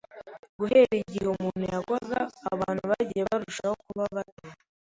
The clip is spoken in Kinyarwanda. Guhera igihe umuntu yagwaga, abantu bagiye barushaho kuba bato